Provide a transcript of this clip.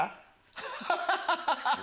ハハハハ！